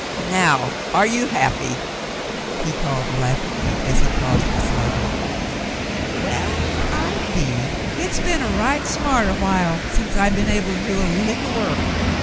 "Now are you happy?" he called laughingly, as he paused beside her. "Well, I be. Hit's been a right smart o' while since I been able to do a lick o' work.